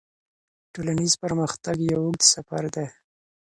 ټولنیز پرمختګ یو اوږد سفر دی.